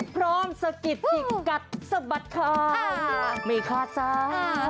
พร้อมสกิดกัดสะบัดข่าวไม่คลาดทราย